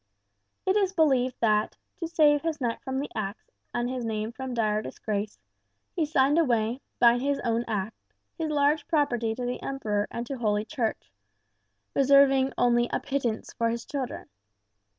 It is believed that, to save his neck from the axe and his name from dire disgrace, he signed away, by his own act, his large property to the Emperor and to Holy Church, reserving only a pittance for his children.